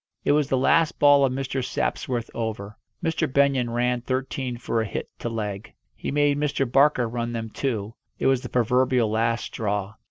It was the last ball of Mr. Sapsworth's over. Mr. Benyon ran thirteen for a hit to leg. He made Mr. Barker run them too it was the proverbial last straw.